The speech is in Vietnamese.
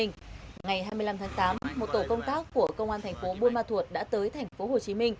ngày hai mươi năm tháng tám một tổ công tác của công an tp bun ma thuột đã tới tp hcm